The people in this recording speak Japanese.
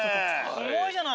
すごいじゃない！